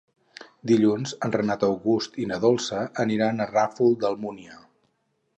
Dilluns en Renat August i na Dolça aniran al Ràfol d'Almúnia.